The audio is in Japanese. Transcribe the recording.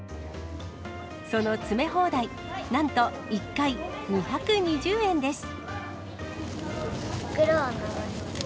その詰め放題、なんと１回２２０円です。